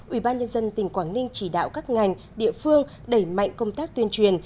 ủy ban nhân dân tỉnh quảng ninh chỉ đạo các ngành địa phương đẩy mạnh công tác tuyên truyền